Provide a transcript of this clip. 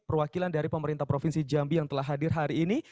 perwakilan dari pemerintah provinsi jambi yang telah hadir hari ini